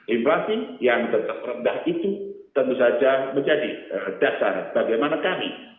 inflasi yang tetap rendah itu tentu saja menjadi dasar bagaimana kami